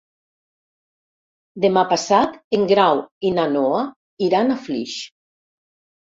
Demà passat en Grau i na Noa iran a Flix.